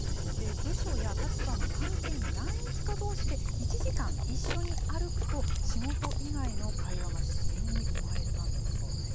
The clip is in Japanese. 部署や立場の関係ない人同士で１時間、一緒に歩くと仕事以外の会話が自然に生まれたんだそうです。